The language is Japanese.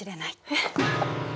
えっ！？